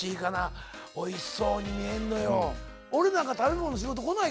うんおいしそうに見えるのよ